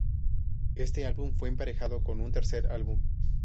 Este álbum fue emparejado con un tercer álbum.